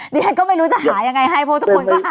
ดิฉันก็ไม่รู้จะหายังไงให้เพราะทุกคนก็หา